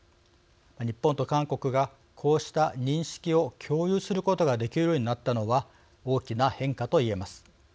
日本と韓国がこうした認識を共有することができるようになったのは大きな変化と言えます。